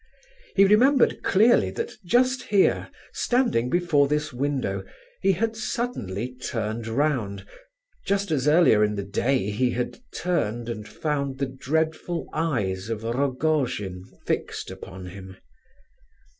He remembered clearly that just here, standing before this window, he had suddenly turned round, just as earlier in the day he had turned and found the dreadful eyes of Rogojin fixed upon him.